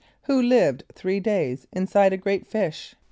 = Who lived three days inside a great fish?